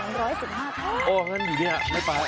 อ๋องั้นอยู่ที่นี่ฮะไม่ไป